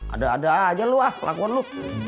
ada ada aja lu lah pelakuan lu